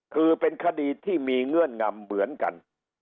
คือเป็นคดีที่มีเงื่อนงำเหมือนกัน